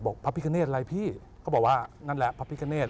บอกพระพิกเงศอะไรพี่ก็บอกว่านั่นแหละพระพิกเงศ